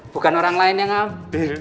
bukan orang lain yang ngab